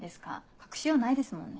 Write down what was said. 隠しようないですもんね。